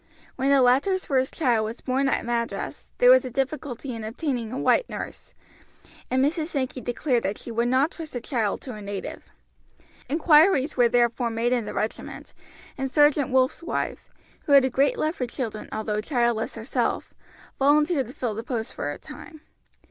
When the latter's first child was born at Madras there was a difficulty in obtaining a white nurse, and Mrs. Sankey declared that she would not trust the child to a native. Inquiries were therefore made in the regiment, and Sergeant Wolf's wife, who had a great love for children although childless herself, volunteered to fill the post for a time.